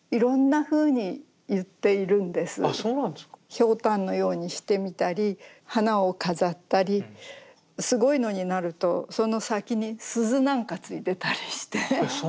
ひょうたんのようにしてみたり花を飾ったりすごいのになるとその先に鈴なんか付いてたりして。